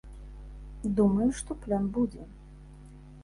Думаю, што плён будзе.